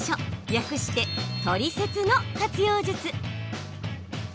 略してトリセツの活用術。